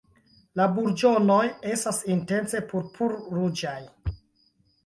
La burĝonoj estas intense purpur-ruĝaj.